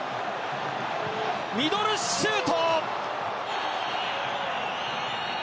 ミドルシュート！